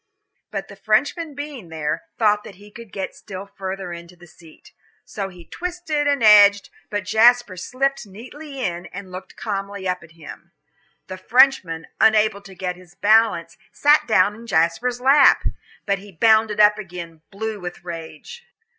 But the Frenchman being there, thought that he could get still further into the seat. So he twisted and edged, but Jasper slipped neatly in, and looked calmly up at him. The Frenchman, unable to get his balance, sat down in Jasper's lap. But he bounded up again, blue with rage.